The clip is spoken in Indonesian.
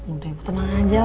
udah ibu tenang aja